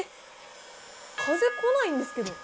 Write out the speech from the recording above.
風こないんですけど。